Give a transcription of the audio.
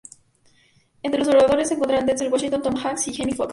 Entre los oradores se encontraron Denzel Washington, Tom Hanks y Jamie Foxx.